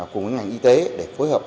cùng với ngành y tế để phối hợp